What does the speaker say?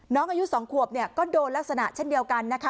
น้องอายุ๒ขวบเนี่ยก็โดนลักษณะเช่นเดียวกันนะคะ